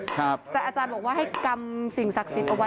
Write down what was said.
แต่อาจารย์บอกว่าให้กรรมสิ่งศักดิ์สิทธิ์เอาไว้